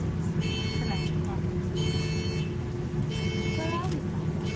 THE MAGIC LOCKET. "Where are we, father?"